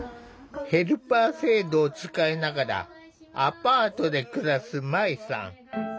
ヘルパー制度を使いながらアパートで暮らすまいさん。